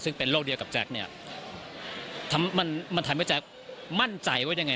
ซึ่งเป็นโลกเดียวกับแจ๊คเนี่ยมันมันทำให้แจ๊คมั่นใจว่ายังไง